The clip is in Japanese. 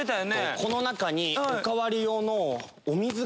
この中にお代わり用のお水が。